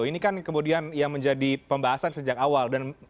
ini kan kemudian yang menjadi pembahasan sejak awal